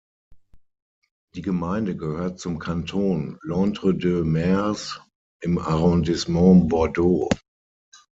Die Gemeinde gehört zum Kanton L’Entre-deux-Mers im Arrondissement Bordeaux.